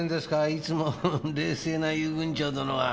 いつも冷静な遊軍長殿が。